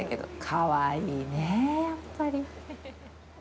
かわいいね、やっぱり。